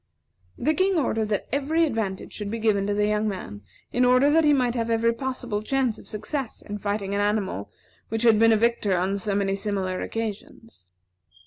The King ordered that every advantage should be given to the young man, in order that he might have every possible chance of success in fighting an animal which had been a victor on so many similar occasions.